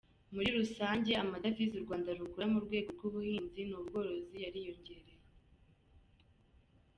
Muri rusange amadevize u Rwanda rukura mu rwego rw’ubuhinzi n’ubworozi yariyongereye.